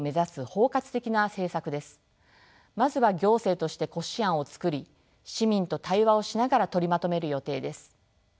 まずは行政として骨子案を作り市民と対話をしながら取りまとめる予定です。